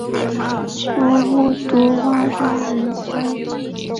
吴宽葬于木渎西花园山。